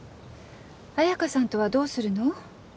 綾華さんとはどうするの？